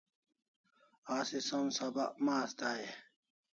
Asi som sabak mas dai e?